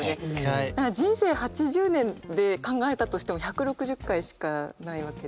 人生８０年で考えたとしても１６０回しかないわけで。